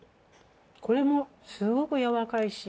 これもすごくやわらかいし。